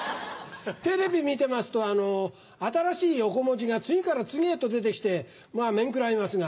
テレビ見てますと新しい横文字が次から次へと出て来てまぁ面食らいますが。